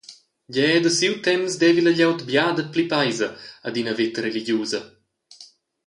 Gie, da siu temps devi la glieud bia dapli peisa ad ina veta religiusa.